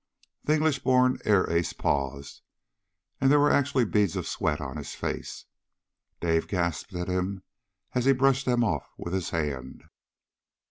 The English born air ace paused, and there were actually beads of sweat on his face. Dave gasped at him as he brushed them off with his hand.